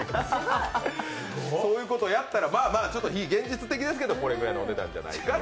そういうことやったら非現実的ですけどこれぐらいのお値段じゃないかと。